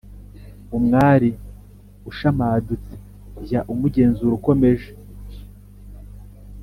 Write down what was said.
Umwari ushamadutse, jya umugenzura ukomeje,